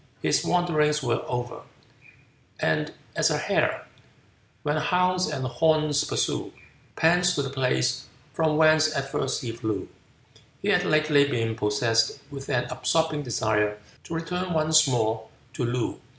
His wanderings were over: "And as a hare, when hounds and horns pursue, Pants to the place from whence at first he flew," he had lately been possessed with an absorbing desire to return once more to Loo.